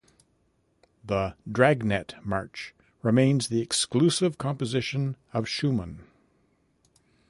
The "Dragnet March" remained the exclusive composition of Schumann.